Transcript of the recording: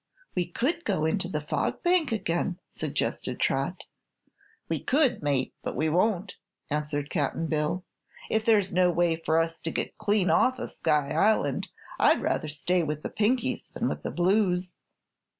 "We could go into the Fog Bank again," suggested Trot. "We could, mate, but we won't," answered Cap'n Bill. "If there's no way for us to get clean off'n Sky Island, I'd rather stay with the Pinkies than with the Blues."